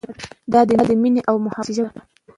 دا د مینې او محبت ژبه ده.